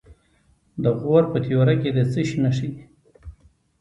د غور په تیوره کې د څه شي نښې دي؟